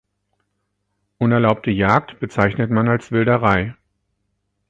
Unerlaubte Jagd bezeichnet man als Wilderei.